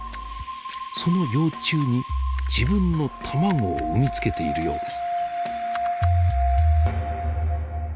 その幼虫に自分の卵を産み付けているようです。